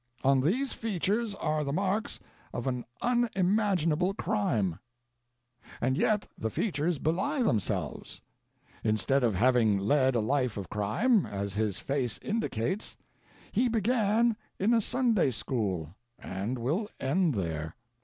On these features are the marks of unimaginable crime, and yet the features belie themselves. Instead of having led a life of crime, as his face indicates, he began in a Sunday school and will end there.